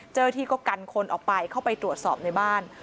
เจ้าหน้าที่ก็กันคนออกไปเข้าไปตรวจสอบในบ้าน